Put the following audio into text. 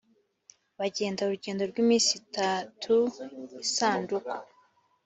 bagenda urugendo rw iminsi itatu isanduku